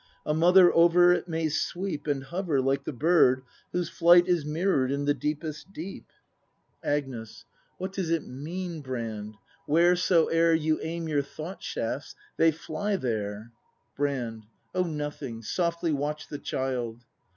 A mother over it may sweep And hover, like the bird, whose flight Is mirror'd in the deepest deep. 122 BRAND [act hi Agnes. What does it mean, Brand ? Wheresoe'er You aim your thought shafts — they fly there! Brand. Oh, nothing. Softly watch the child.